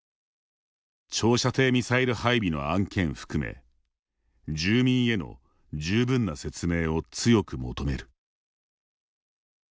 長射程ミサイル配備の案件含め住民への十分な説明を強く求める。